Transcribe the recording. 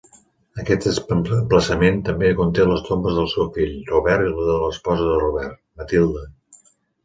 Aquest emplaçament també conté les tombes del seu fill Robert i de l'esposa de Robert, Matilda.